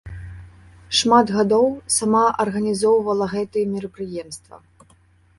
Шмат гадоў сама арганізоўвала гэтае мерапрыемства.